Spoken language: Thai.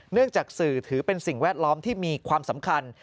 จากสื่อถือเป็นสิ่งแวดล้อมที่มีความสำคัญ